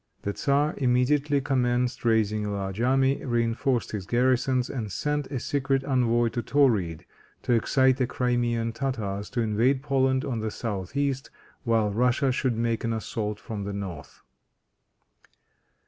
The tzar immediately commenced raising a large army, reinforced his garrisons, and sent a secret envoy to Tauride, to excite the Crimean Tartars to invade Poland on the south east while Russia should make an assault from the north.